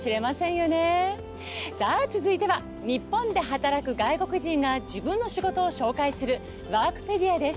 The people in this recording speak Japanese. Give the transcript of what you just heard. さあ続いては日本で働く外国人が自分の仕事を紹介する「ワークペディア」です。